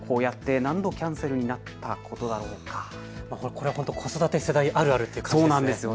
これは本当に子育て世帯あるあるという感じですよね。